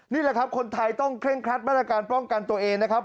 นี่แหละครับคนไทยต้องเคร่งครัดมาตรการป้องกันตัวเองนะครับ